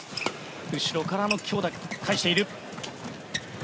後ろからの強打返している。